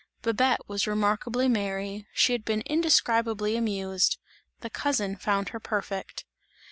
Babette was remarkably merry, she had been indescribably amused. The cousin found her perfect.